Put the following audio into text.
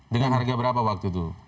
dengan harga berapa waktu itu